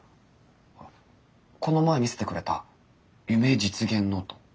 ほらこの前見せてくれた「夢・実現ノート」。